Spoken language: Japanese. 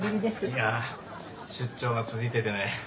いや出張が続いててね。